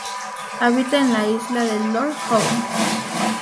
Habita en la isla de Lord Howe.